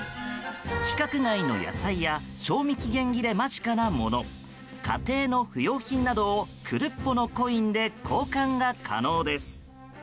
規格外の野菜や賞味期限切れ間近なもの家庭用の不用品などをクルッポのコインで交換が可能です。